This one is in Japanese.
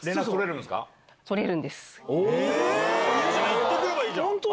行ってくればいいじゃん！